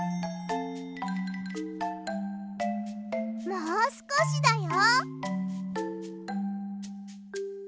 もうすこしだよ。